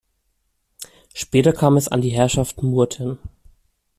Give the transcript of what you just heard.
Später kam es an die Herrschaft Murten.